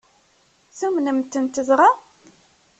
Tumnem-tent dɣa?